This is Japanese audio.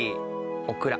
オクラ。